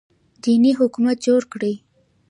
دیني حکومت جوړ کړي